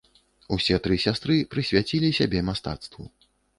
Усе тры сястры прысвяцілі сябе мастацтву.